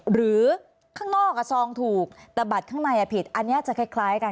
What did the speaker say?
หรือข้างนอกซองถูกแต่บัตรข้างในผิดอันนี้จะคล้ายกัน